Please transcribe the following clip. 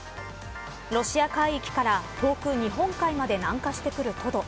ロシア海域から遠く日本海まで南下してくるトド。